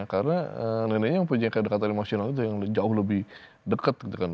karena neneknya yang punya kedekatan emosional itu yang jauh lebih dekat gitu kan